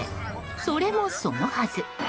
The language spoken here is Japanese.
それもそのはず。